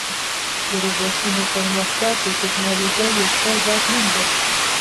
د روبوټونو پرمختګ د ټکنالوژۍ یو ستر بدلون دی.